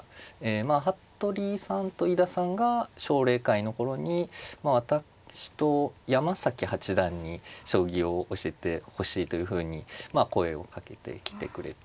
服部さんと井田さんが奨励会の頃に私と山崎八段に将棋を教えてほしいというふうに声を掛けてきてくれて。